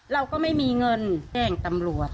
เราก็ไม่มีเงินแจ้งตำรวจ